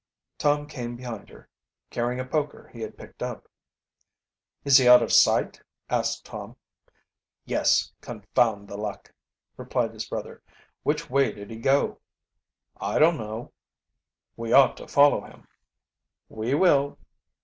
Tom came behind her, carrying a poker he had picked up. "Is he out of sight?" asked Tom. "Yes, confound the luck," replied his brother. "Which way did he go?" "I don't know." "We ought to follow him." "We will."